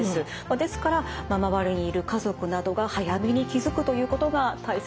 ですから周りにいる家族などが早めに気付くということが大切です。